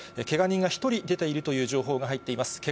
けが人が１人出ているという情報が入っています。